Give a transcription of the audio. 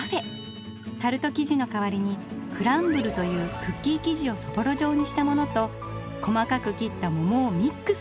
タルト生地の代わりにクランブルというクッキー生地をそぼろ状にしたものと細かく切った桃をミックス！